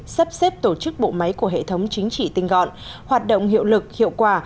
sắp xếp tổ chức bộ máy của hệ thống chính trị tinh gọn hoạt động hiệu lực hiệu quả